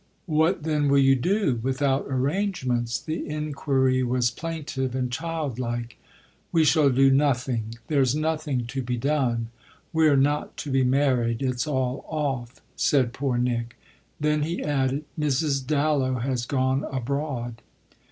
"What then will you do without arrangements?" The inquiry was plaintive and childlike. "We shall do nothing there's nothing to be done. We're not to be married it's all off," said poor Nick. Then he added: "Mrs. Dallow has gone abroad."